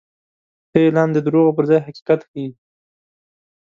ښه اعلان د دروغو پر ځای حقیقت ښيي.